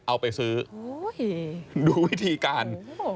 เอาไปซื้อดูวิธีการ